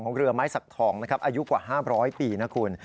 เรือไม้สักทองนะครับอายุกว่า๕๐๐ปีนะคุณ